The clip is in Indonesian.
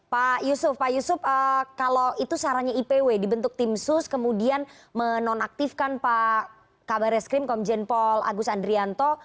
pak yusuf pak yusuf kalau itu sarannya ipw dibentuk tim sus kemudian menonaktifkan pak kabar eskrim komjen paul agus andrianto